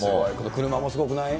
車もすごくない？